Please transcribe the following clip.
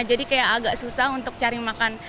jadi kayak agak susah untuk cari makan